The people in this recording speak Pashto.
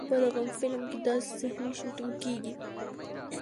په دغه فلم کې داسې صحنې شوټېنګ کېږي.